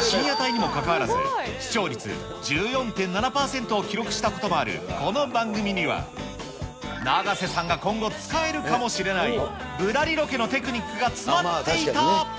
深夜帯にもかかわらず、視聴率１４．７％を記録したこともあるこの番組には、永瀬さんが今後、使えるかもしれない、ぶらりロケのテクニックが詰まっていた。